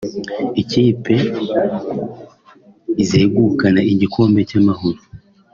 Ikipe izegukana igikombe cy’Amahoro